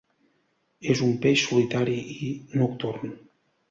És un peix solitari i nocturn.